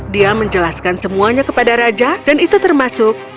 dia menjelaskan semuanya kepada raja dan itu termasuk